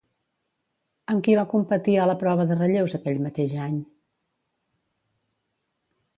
Amb qui va competir a la prova de relleus aquell mateix any?